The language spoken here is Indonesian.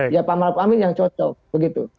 ya pak maruf amin yang cocok begitu